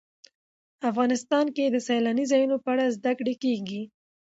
افغانستان کې د سیلاني ځایونو په اړه زده کړه کېږي.